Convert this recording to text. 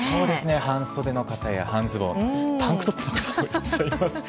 半袖の方や半ズボンタンクトップの方とかいます。